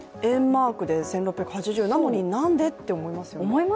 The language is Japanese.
￥で１６８０なのに、なんでって思いますよね。